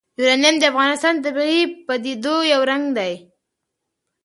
یورانیم د افغانستان د طبیعي پدیدو یو رنګ دی.